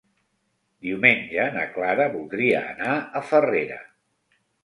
Diumenge na Clara voldria anar a Farrera.